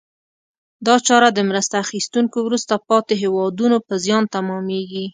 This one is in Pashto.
دا چاره د مرسته اخیستونکو وروسته پاتې هېوادونو په زیان تمامیږي.